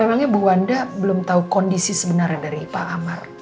memangnya bu wanda belum tahu kondisi sebenarnya dari pak amar